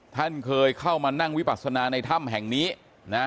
ท่านเคยเข้ามานั่งวิปัสนาในถ้ำแห่งนี้นะฮะ